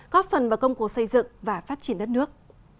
góp phần vào công cụ xây dựng và phát triển đất nước